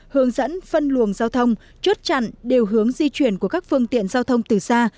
hướng dẫn phân luồng giao thông chốt chặn điều hướng di chuyển của các phương tiện giao thông từ xa